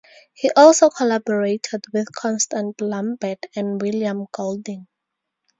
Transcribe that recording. He also collaborated with Constant Lambert and William Golding.